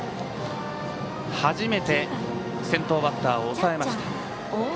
初めて先頭バッターを抑えました。